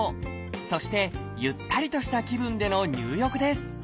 そしてゆったりとした気分での入浴です。